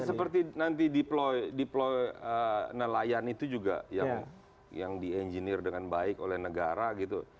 ya seperti nanti deploy nelayan itu juga yang di engineer dengan baik oleh negara gitu